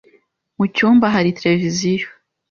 Mu cyumba hari televiziyo.